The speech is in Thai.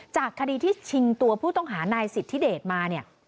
จากคดีที่ชิงตัวผู้ต้องหานายสิทธิเดชมาเนี่ย